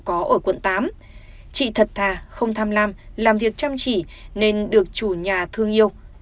có ở quận tám chị thật thà không tham lam làm việc chăm chỉ nên được chủ nhà thương yêu